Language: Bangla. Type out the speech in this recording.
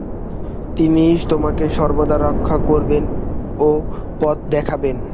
তিনিই তোমাকে সর্বদা রক্ষা করবেন ও পথ দেখাবেন।